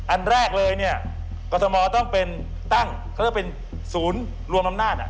อันแรกเลยกรทมต้องเป็นตั้งเป็นศูนย์รวมลำนาจ